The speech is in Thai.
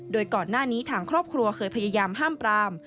โดยก่อนหน้านี้ทางครอบครัวเคยพยายามห้ามปราม